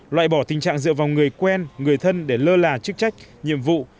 loại bỏ tình trạng dựa vào người quen người thân để lơ là chức trách nhiệm vụ